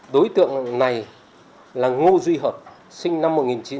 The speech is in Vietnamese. đối tượng này là ngô duy hợp sinh năm một nghìn chín trăm tám mươi